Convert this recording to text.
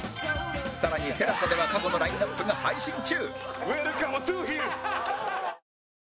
更に ＴＥＬＡＳＡ では過去のラインアップが配信中